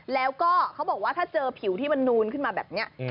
แล้วก็เขาบอกว่าถ้าเจอผิวที่มันนูนขึ้นมาแบบนี้